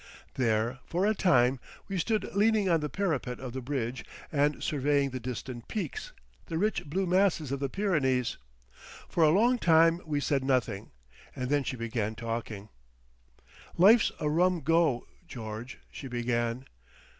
There, for a time, we stood leaning on the parapet of the bridge and surveying the distant peeks, the rich blue masses of the Pyrenees. For a long time we said nothing, and then she began talking. "Life's a rum Go, George!" she began.